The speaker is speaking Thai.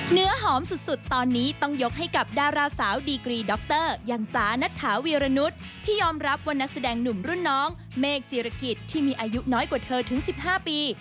เนื้อหอมสุดตอนนี้ต้องยกให้กับดาราสาวดีกรีดรอย่างจ๋านัทถาวีรนุษย์ที่ยอมรับว่านักแสดงหนุ่มรุ่นน้องเมฆจีรกิจที่มีอายุน้อยกว่าเธอถึง๑๕ปี